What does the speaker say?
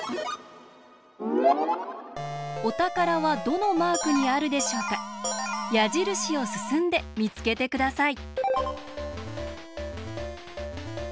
おたからはどのマークにあるでしょうか？やじるしをすすんでみつけてください。